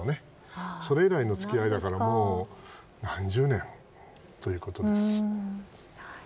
それ以来の付き合いだからもう何十年ということです。